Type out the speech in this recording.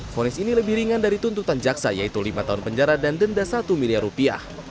fonis ini lebih ringan dari tuntutan jaksa yaitu lima tahun penjara dan denda satu miliar rupiah